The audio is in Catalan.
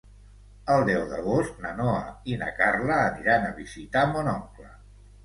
El deu d'agost na Noa i na Carla aniran a visitar mon oncle.